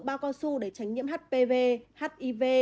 bao con su để tránh nhiễm hpv hiv